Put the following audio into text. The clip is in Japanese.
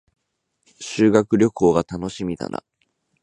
修学旅行が楽しみだな